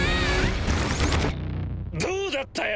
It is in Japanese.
どうだったよ？